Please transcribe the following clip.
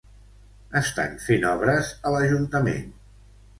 Estan fent obres a l'ajuntament